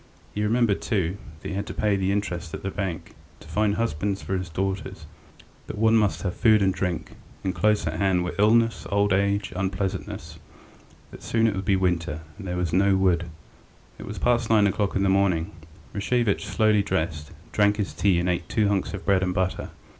He remembered, too, that he had to pay the interest at the bank, to find husbands for his daughters, that one must have food and drink, and close at hand were illness, old age, unpleasantnesses, that soon it would be winter, and that there was no wood. ... It was past nine o'clock in the morning. Rashevitch slowly dressed, drank his tea and ate two hunks of bread and butter.